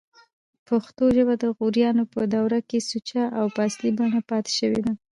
پښتو ژبه دغوریانو په دوره کښي سوچه او په اصلي بڼه پاته سوې ده.